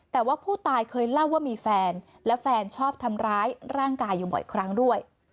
แต่ว่าผู้ตายเคยเล่าว่ามีแฟนและแฟนชอบทำร้ายร่างกายอยู่บ่อยครั้งด้วย